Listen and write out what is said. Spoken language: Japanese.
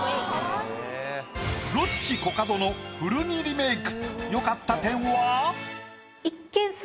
ロッチ・コカドの古着リメイク。